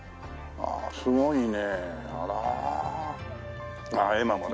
ああすごいね。